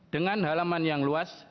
dengan halaman yang luas